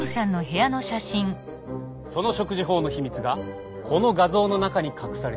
その食事法の秘密がこの画像の中に隠されている。